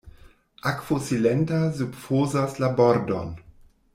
Akvo silenta subfosas la bordon.